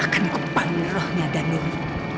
akan kupang rohnya danuri